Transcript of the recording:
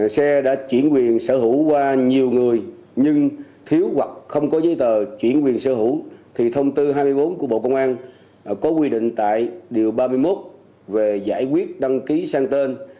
xe đã chuyển quyền sở hữu qua nhiều người nhưng thiếu hoặc không có giấy tờ chuyển quyền sở hữu thì thông tư hai mươi bốn của bộ công an có quy định tại điều ba mươi một về giải quyết đăng ký sang tên